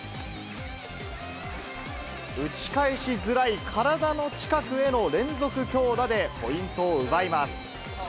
打ち返しづらい体の近くへの連続強打でポイントを奪います。